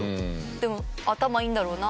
でも頭いいんだろうな。